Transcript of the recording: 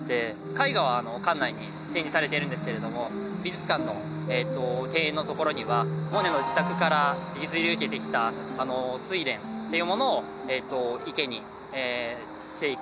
絵画は館内に展示されてるんですけれども美術館の庭園の所にはモネの自宅から譲り受けてきた睡蓮っていうものを池に生育していて。